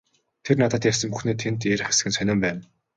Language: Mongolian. Тэр надад ярьсан бүхнээ танд ярих эсэх нь сонин байна.